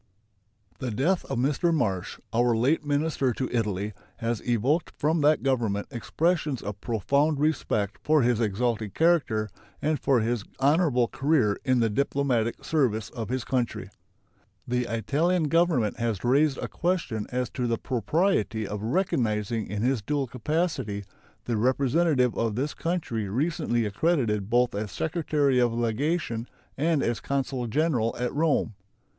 The death of Mr. Marsh, our late minister to Italy, has evoked from that Government expressions of profound respect for his exalted character and for his honorable career in the diplomatic service of his country. The Italian Government has raised a question as to the propriety of recognizing in his dual capacity the representative of this country recently accredited both as secretary of legation and as consul general at Rome.